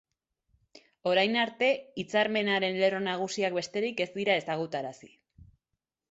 Orain arte, hitzarmenaren lerro nagusiak besterik ez dira ezagutarazi.